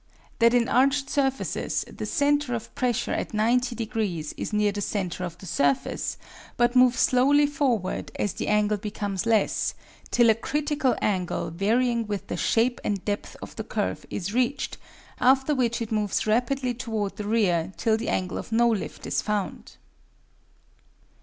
That in arched surfaces the center of pressure at 90 degrees is near the center of the surface, but moves slowly forward as the angle becomes less, till a critical angle varying with the shape and depth of the curve is reached, after which it moves rapidly toward the rear till the angle of no lift is found.